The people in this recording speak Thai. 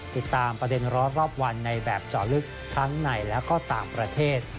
ติดตามประเด็นร้อนรอบวันในแบบเจาะลึกทั้งในและก็ต่างประเทศ